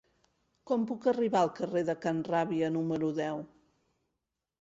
Com puc arribar al carrer de Can Ràbia número deu?